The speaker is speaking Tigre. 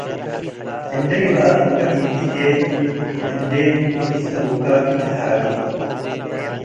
እንዴ ይኣቱከ ኢትእቴ፣ እንዴ ይሰአሉከ ኢትትሃጌ።